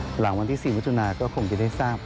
หลังวันที่๔มิถุนาก็คงจะได้ทราบ